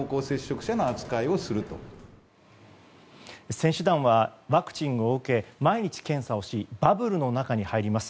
選手団はワクチンを受け毎日検査をしバブルの中に入ります。